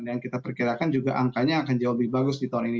dan kita perkirakan juga angkanya akan jauh lebih bagus di tahun ini